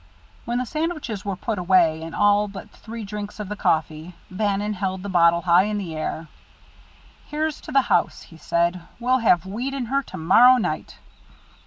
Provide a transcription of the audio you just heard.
When the sandwiches were put away, and all but three drinks of the coffee, Bannon held the bottle high in the air. "Here's to the house!" he said. "We'll have wheat in her to morrow night!"